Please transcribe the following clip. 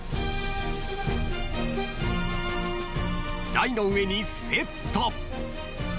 ［台の上にセット］